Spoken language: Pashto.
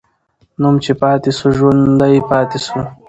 نوم چې پاتې سو، ژوندی پاتې سو.